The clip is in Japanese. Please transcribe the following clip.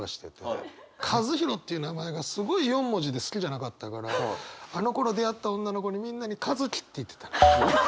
「かずひろ」っていう名前がすごい４文字で好きじゃなかったからあのころ出会った女の子にみんなに「かづき」って言ってた。